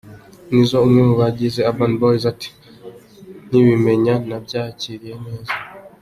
Nizzo umwe mu bagize Urban Boys ati :”Nkibimenya nabyakiriye neza.